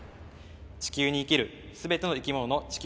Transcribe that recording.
地球に生きる全ての生き物の地球なのです。